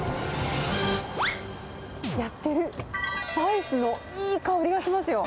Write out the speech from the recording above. やってる、スパイスのいい香りがしますよ。